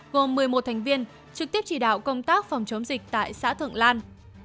gồm một mươi một thành viên trực tiếp chỉ đạo công tác phòng chống dịch tại xã thượng lan